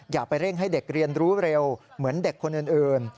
อย่าไปเร่งให้เด็กเรียนรู้เร็วเหมือนเด็กคนอื่น